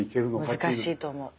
難しいと思う。